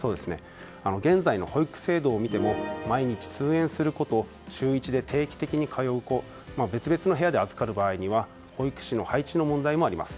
現在の保育制度を見ても毎日通園する子と週１で定期的に通う子と別々の部屋で預かる場合には保育士の配置の問題もあります。